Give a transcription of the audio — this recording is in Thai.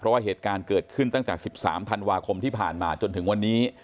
เพราะว่าเหตุการณ์เกิดขึ้นตั้งแต่๑๓ธันวาคมที่ผ่านมาจนถึงวันนี้